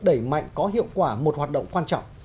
đẩy mạnh có hiệu quả một hoạt động quan trọng